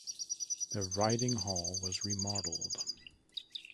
The riding hall was remodelled.